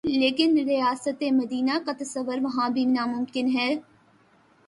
لیکن ریاست مدینہ کا تصور وہاں بھی ناممکن ہے۔